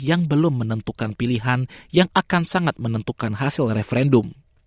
yang belum menentukan pilihan yang akan sangat menentukan hasil referendum